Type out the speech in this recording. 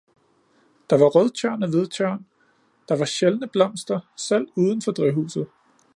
Der var rødtjørn og hvidtjørn, der var sjældne blomster, selv uden for drivhuset